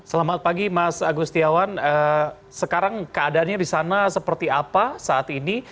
selamat pagi mas agustiawan sekarang keadaannya di sana seperti apa saat ini